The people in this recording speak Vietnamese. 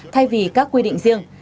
thay vì các quy định riêng